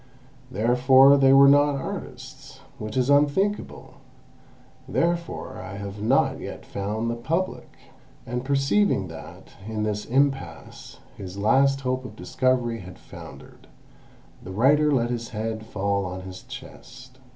Therefore they were not artists, which is unthinkable; therefore I have not yet found the Public!" And perceiving that in this impasse his last hope of discovery had foundered, the writer let his head fall on his chest.